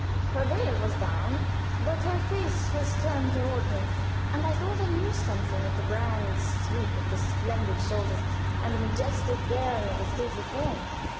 Her veil was down, but her face was turned toward me, and I thought I knew something of the grand sweep of the splendid shoulders and majestic bearing of the stately form.